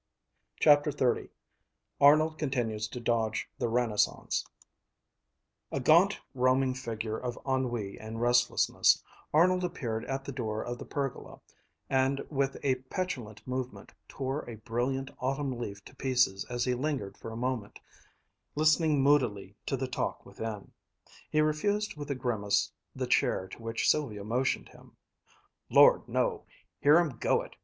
CHAPTER XXX ARNOLD CONTINUES TO DODGE THE RENAISSANCE A gaunt roaming figure of ennui and restlessness, Arnold appeared at the door of the pergola and with a petulant movement tore a brilliant autumn leaf to pieces as he lingered for a moment, listening moodily to the talk within. He refused with a grimace the chair to which Sylvia motioned him. "Lord, no! Hear 'em go it!"